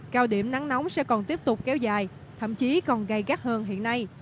cao điểm nắng nóng sẽ còn tiếp tục kéo dài thậm chí còn gây gắt hơn hiện nay